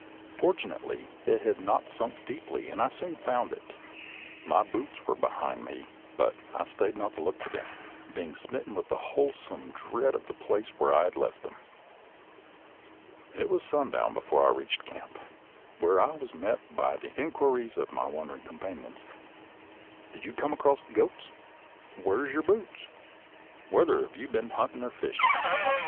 Fortunately, it had not sunk deeply, and I soon found it. My boots were behind me, but I stayed not to look for them, being smitten with a wholesome dread of the place where I had left them. It was sundown before I reached camp, where I was met by the inquiries of my wondering companions. "Did you come across the `goats'?" "Where's your boots?" "Whether have you been hunting or fishing?"